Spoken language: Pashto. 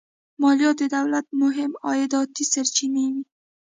مالیات د دولت مهمې عایداتي سرچینې وې.